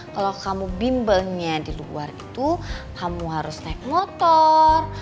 kalau kamu bimbelnya di luar itu kamu harus naik motor